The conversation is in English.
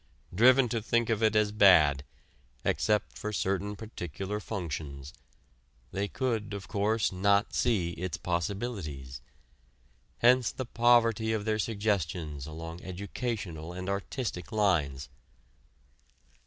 Driven to think of it as bad, except for certain particular functions, they could, of course, not see its possibilities. Hence the poverty of their suggestions along educational and artistic lines.